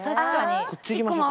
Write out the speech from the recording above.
こっち行きましょうか？